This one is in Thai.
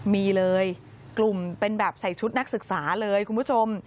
มีเลยกลุ่มเป็นแบบใส่ชุดนักศึกษาเลยคุณผู้ชม